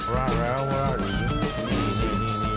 ราดแล้ว